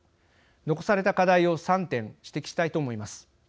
残された課題を３点指摘したいと思います。